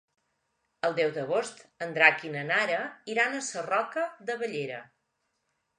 El deu d'agost en Drac i na Nara iran a Sarroca de Bellera.